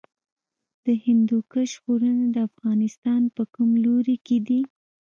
د هندوکش غرونه د افغانستان په کوم لوري کې دي؟